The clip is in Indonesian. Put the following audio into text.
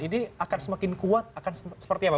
ini akan semakin kuat akan seperti apa